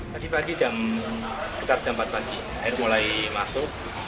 tadi pagi sekitar jam empat pagi air mulai masuk